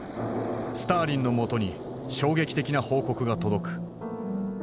スターリンのもとに衝撃的な報告が届く。